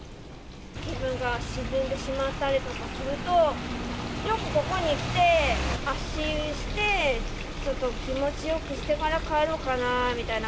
気分が沈んでしまったりすると、よくここに来て、足湯して、ちょっと気持ちよくしてから帰ろうかなみたいな。